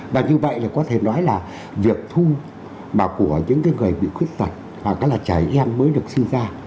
và như vậy là có thể nói là việc thu của những người bị khuyết tật hoặc là trẻ em mới được sinh ra